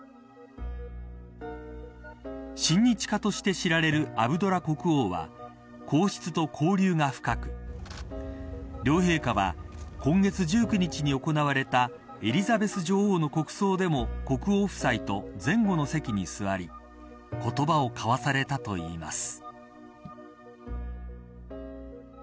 親日家として知られるアブドラ国王は皇室と交流が深く両陛下は今月１９日に行われたエリザベス女王の国葬でも国王夫妻と前後の席に座り言葉を交わされたといいます。